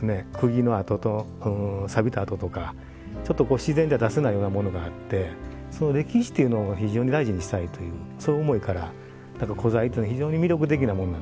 釘の跡とさびた跡とかちょっと自然じゃ出せないようなものがあってその歴史というのを非常に大事にしたいというそういう思いから古材っていうのは非常に魅力的なものなんですよ。